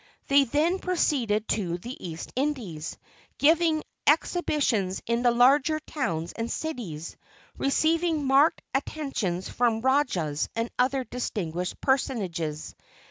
They then proceeded to the East Indies, giving exhibitions in the larger towns and cities, receiving marked attentions from Rajahs and other distinguished personages.